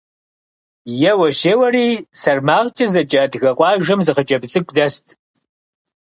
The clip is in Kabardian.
Еуэщ-еуэри СэрмакъкӀэ зэджэ адыгэ къуажэм зы хъыджэбз цӀыкӀу дэст.